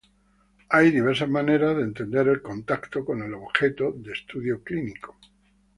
Hay diversas maneras de entender el contacto con el objeto de estudio clínico.